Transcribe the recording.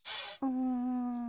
うん。